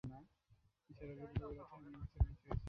নিসার আলি বলল, ঐ রাতে আপনি বিছানায় শুয়েছেন।